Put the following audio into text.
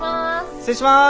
失礼します。